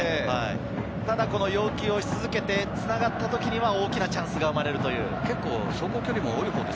ただ要求し続けて、つながった時には大きなチャンスが生まれます。